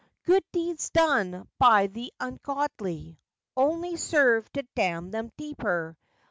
"Good deeds done by the ungodly Only serve to damn them deeper.